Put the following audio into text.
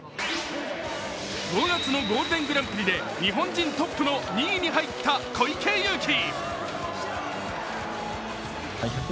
５月のゴールデングランプリで日本人トップの２位に入った小池祐貴。